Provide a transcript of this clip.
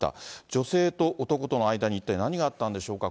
女性と男との間に一体何があったんでしょうか。